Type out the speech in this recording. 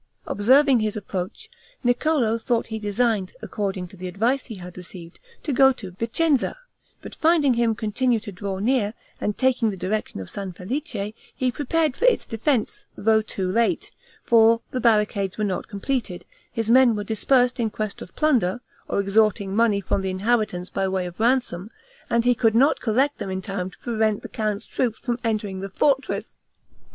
Observing his approach, Niccolo thought he designed, according to the advice he had received, to go to Vicenza, but finding him continue to draw near, and taking the direction of San Felice, he prepared for its defense though too late; for the barricades were not completed; his men were dispersed in quest of plunder, or extorting money from the inhabitants by way of ransom; and he could not collect them in time to prevent the count's troops from entering the fortress.